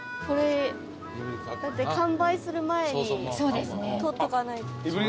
これだって完売する前に取っとかないと。